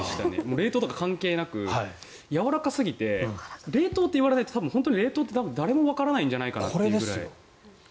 冷凍とか関係なくやわらかすぎて冷凍って言われないと冷凍って誰もわからないんじゃないかってくらい。